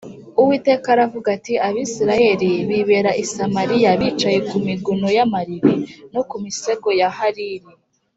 Uwiteka aravuga ati “Abisirayeli bibera i Samariya bicaye ku miguno y’amariri no ku misego ya hariri